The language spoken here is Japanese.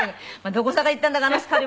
どこさか行ったんだかあの光りもの。